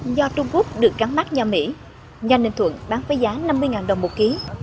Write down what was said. nho trung quốc được gắn mát nho mỹ nho ninh thuận bán với giá năm mươi đồng một ký